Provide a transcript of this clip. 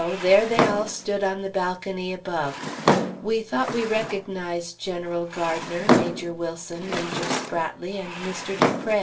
there they all stood on the balcony above. We thought we recognized General Gardiner, Major Wilson, Major Spratley, and Mr. Dupré.